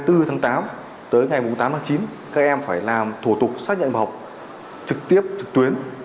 từ hai mươi bốn tháng tám tới ngày tám tháng chín các em phải làm thủ tục xác nhận bảo học trực tiếp trực tuyến